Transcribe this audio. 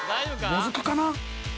もずくかな？